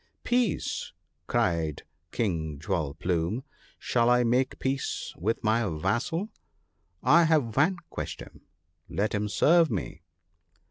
' Peace !' cried King Jewel plume, * shall I make peace with my vassal ! I have vanquished him — let him serve me!'